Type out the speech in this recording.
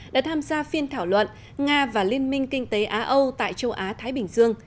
đã tham gia phiên thảo luận nga và liên minh kinh tế á âu tại châu á thái bình dương